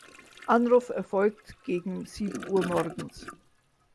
Anruf erfolgt gegen sieben Uhr morgens.